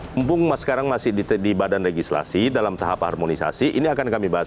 mumpung sekarang masih di badan legislasi dalam tahap harmonisasi ini akan kami bahas